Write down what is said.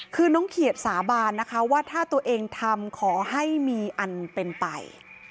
คือน้องเขียดสาบานนะคะว่าถ้าตัวเองทำขอให้มีอันเป็นไป